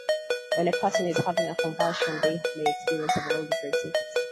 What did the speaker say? When a person is having a convulsion, they may experience several different symptoms.